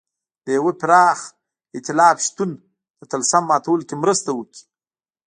د یوه پراخ اېتلاف شتون د طلسم ماتولو کې مرسته وکړي.